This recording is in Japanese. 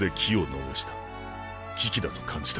危機だと感じた。